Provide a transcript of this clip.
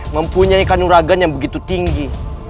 mempunyai kanuragan yang begitu tinggi